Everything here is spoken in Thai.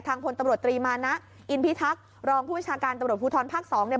พลตำรวจตรีมานะอินพิทักษ์รองผู้บัญชาการตำรวจภูทรภาคสองเนี่ย